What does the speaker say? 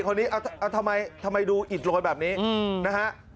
คนนี้ทำไมดูอิดโรยแบบนี้นะฮะ